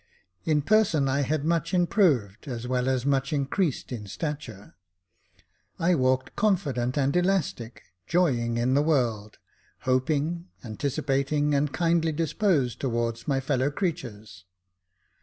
In person I had much improved, as well as much increased in stature. I walked confident and elastic, joying in the world, hoping, anticipating and kindly disposed towards my fellow creatures.